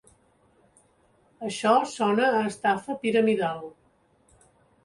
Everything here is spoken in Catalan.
Això sona a estafa piramidal.